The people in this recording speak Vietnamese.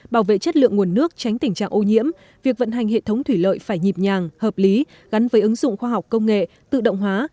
bảo vệ chất lượng nguồn nước tránh tình trạng ô nhiễm việc vận hành hệ thống thủy lợi phải nhịp nhàng hợp lý gắn với ứng dụng khoa học công nghệ tự động hóa